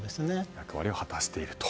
役割を果たしていると。